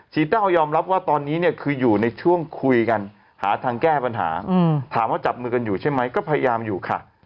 เต้ายอมรับว่าตอนนี้เนี่ยคืออยู่ในช่วงคุยกันหาทางแก้ปัญหาถามว่าจับมือกันอยู่ใช่ไหมก็พยายามอยู่ค่ะ